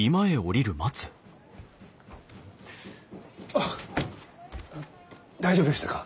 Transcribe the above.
あっ大丈夫でしたか？